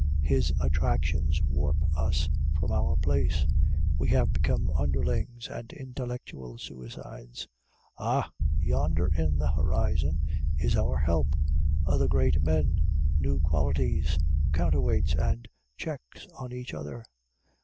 His attractions warp us from our place. We have become underlings and intellectual suicides. Ah! yonder in the horizon is our help: other great men, new qualities, counterweights and checks on each other.